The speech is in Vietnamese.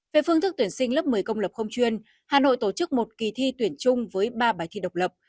về phương thức tuyển sinh lớp một mươi công lập không chuyên hà nội tổ chức một kỳ thi tuyển chung với ba bài thi độc lập